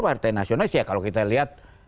partai nasionalis ya kalau kita lihat